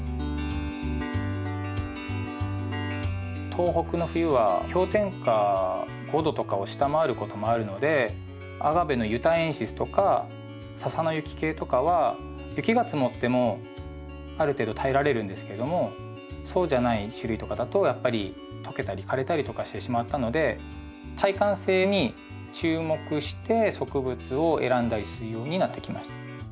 東北の冬は氷点下５℃とかを下回ることもあるのでアガベのユタエンシスとか笹の雪系とかは雪が積もってもある程度耐えられるんですけれどもそうじゃない種類とかだとやっぱりとけたり枯れたりとかしてしまったので耐寒性に注目して植物を選んだりするようになってきました。